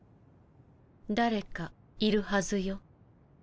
だれかいるはずよ。